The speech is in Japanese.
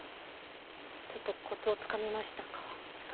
ちょっとコツをつかみましたか？